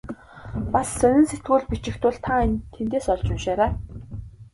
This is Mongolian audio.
Бас сонин сэтгүүлд бичих тул та тэндээс олж уншаарай.